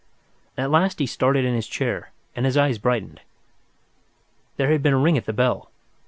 At last he started in his chair, and his eyes brightened. There had been a ring at the bell.